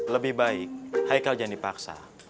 lebih baik haikal jangan dipaksa